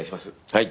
はい。